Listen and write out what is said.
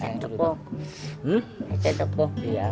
kami juga mencari jalan untuk mencari jalan